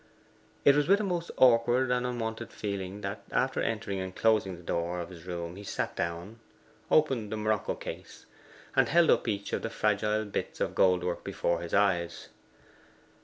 It was with a most awkward and unwonted feeling that after entering and closing the door of his room he sat down, opened the morocco case, and held up each of the fragile bits of gold work before his eyes.